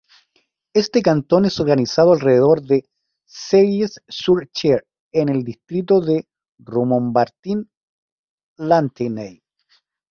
Este cantón es organizado alrededor de Selles-sur-Cher en el distrito de Romorantin-Lanthenay.